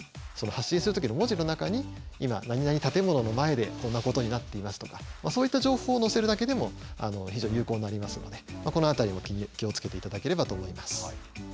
発信する時の文字の中に「今何々建物の前でこんなことになっています」とかそういった情報を載せるだけでも非常に有効になりますのでこの辺りも気を付けていただければと思います。